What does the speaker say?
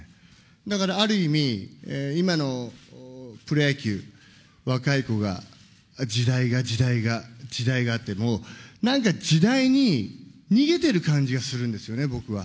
だからある意味、今のプロ野球、若い子が、時代が、時代が、時代がって、なんか時代に逃げてる感じがするんですよね、僕は。